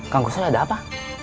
kang gusul ada apa